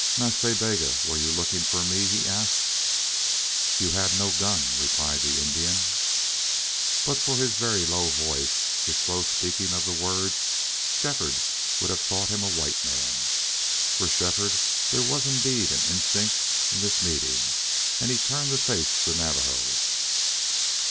"Nas Ta Bega, were you looking for me?" he asked. "You had no gun," replied the Indian. But for his very low voice, his slow speaking of the words, Shefford would have thought him a white man. For Shefford there was indeed an instinct in this meeting, and he turned to face the Navajo.